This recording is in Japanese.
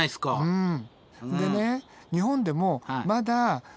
うん。